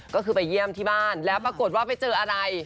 ก็คือไปเยี่ยมที่บ้านแล้วปรากฏว่าไปเจออะไร